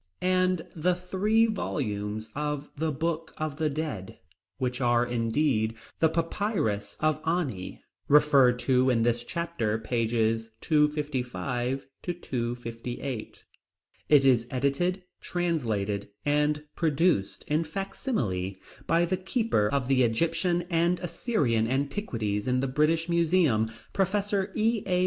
and the three volumes of the Book of the Dead, which are, indeed, the Papyrus of Ani, referred to in this chapter, pages 255 258. It is edited, translated, and reproduced in fac simile by the keeper of the Egyptian and Assyrian Antiquities in the British Museum, Professor E.A.